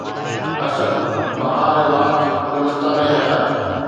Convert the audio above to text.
اسد! بهار واچ گلستان حيات